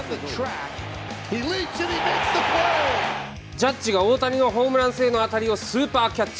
ジャッジが大谷のホームラン性の当たりをスーパーキャッチ。